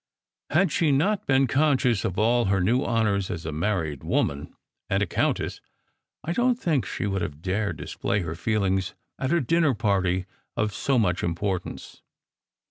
Had she not been conscious of her new honours as a married woman and a countess, I don t think she would have dared dis play her feelings at a dinner party of so much impor tance.